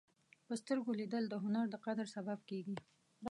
په سترګو لیدل د هنر د قدر سبب کېږي